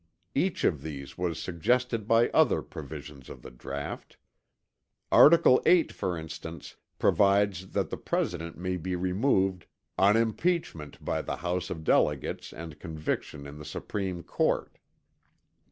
Each of these was suggested by other provisions of the draught. Article 8 for instance, provides that the President may be removed "on impeachment by the House of Delegates and conviction in the Supreme Court."